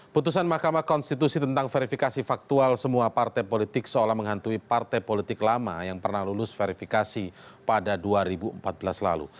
putusan mahkamah konstitusi tentang verifikasi faktual semua partai politik seolah menghantui partai politik lama yang pernah lulus verifikasi pada dua ribu empat belas lalu